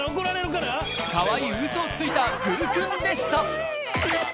かわいいウソをついた、具くんでした。